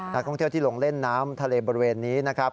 นักท่องเที่ยวที่ลงเล่นน้ำทะเลบริเวณนี้นะครับ